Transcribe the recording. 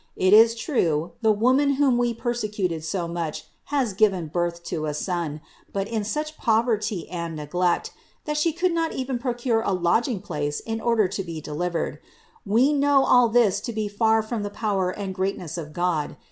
It is true, the Woman whom we persecuted so much, has given birth to a Son, but in such poverty and neglect, that She could not even pro cure a lodging place in order to be delivered. We know all this to be far from the power and greatness of God.